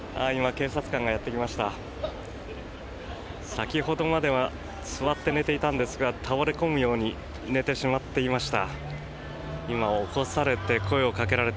先ほどまでは座って寝ていたんですが倒れ込むように寝てしまっていました。